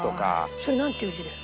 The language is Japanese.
それなんていう字ですか？